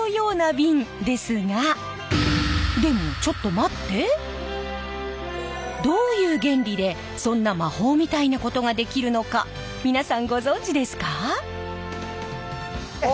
まさにどういう原理でそんな魔法みたいなことができるのか皆さんご存じですか？